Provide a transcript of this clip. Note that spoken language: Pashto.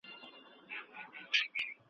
موږ باید خپلي بندي سوي پروژي بېرته فعالي کړو.